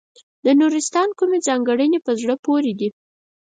د نورستان کومې ځانګړنې په زړه پورې دي.